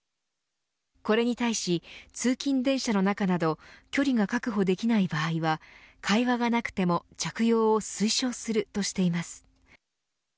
これに対し、通勤電車の中など距離が確保できない場合は会話がなくても着用を推奨するとしています。